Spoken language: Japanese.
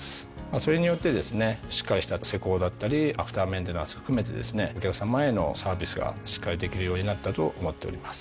それによってですねしっかりした施工だったりアフターメンテナンス含めてですねお客さまへのサービスがしっかりできるようになったと思っております。